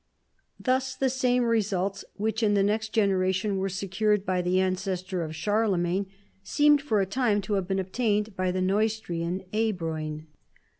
Thus the same re sults, which in the next generation were secured by the ancestor of Charlemagne, seemed for a time to have been obtained by the Neustrian Ebroin.